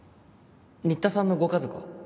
新田さんのご家族は？